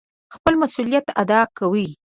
خپل مسئوليت اداء کوي.